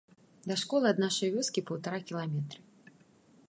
Да школы ад нашай вёскі паўтара кіламетры.